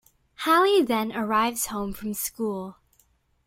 Hally then arrives home from school.